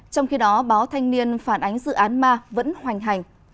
trong khi đó báo thanh niên phản ánh dự án ma vẫn hoành hành